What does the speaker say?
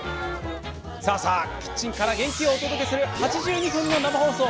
さあ、さあキッチンから元気をお届けする８２分の生放送！